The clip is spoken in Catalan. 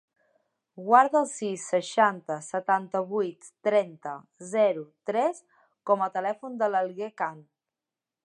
Guarda el sis, seixanta, setanta-vuit, trenta, zero, tres com a telèfon de l'Alguer Khan.